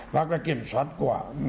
và kiểm soát của